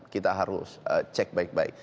kita harus cek baik baik